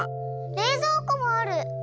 れいぞうこもある！